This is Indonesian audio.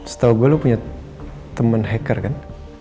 setau gue lo punya temen hacker kan